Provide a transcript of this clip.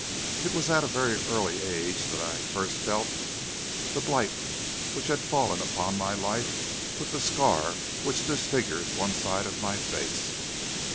"It was at a very early age that I first felt the blight which had fallen upon my life with the scar which disfigures one side of my face.